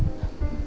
bah ada yang ngetok